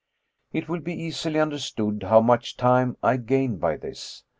It will be easily understood how much time I gained by this.